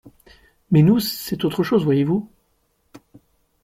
Mais nous, c’est autre chose voyez-vous ?